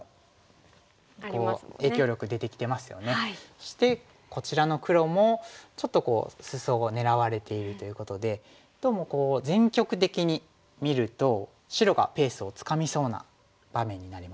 そしてこちらの黒もちょっとスソを狙われているということでどうも全局的に見ると白がペースをつかみそうな場面になりますね。